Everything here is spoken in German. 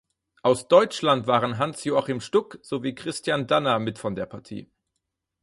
Aus Deutschland waren Hans-Joachim Stuck sowie Christian Danner mit von der Partie.